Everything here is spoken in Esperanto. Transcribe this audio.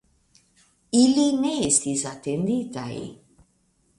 Ili ne estis atendintaj.